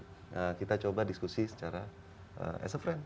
nah kita coba diskusi secara as a friend